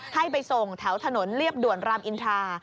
ให้ไปส่งแถวถนนเรียบด่วนรามอินทรา